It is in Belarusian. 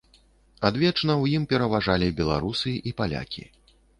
Адвечна ў ім пераважалі беларусы і палякі.